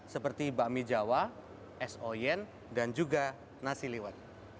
seperti bakmi jawa es oyen dan juga nasi liwet